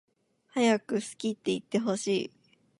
はやく好きっていってほしい